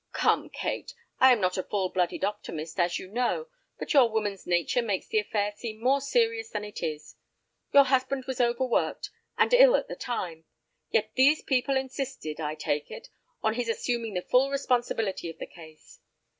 "Come, Kate, I am not a full blooded optimist, as you know, but your woman's nature makes the affair seem more serious than it is. Your husband was overworked, and ill at the time, yet these people insisted—I take it—on his assuming the full responsibility of the case.